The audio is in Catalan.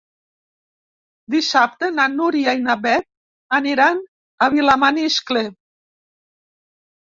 Dissabte na Núria i na Beth aniran a Vilamaniscle.